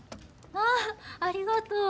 ああありがとう。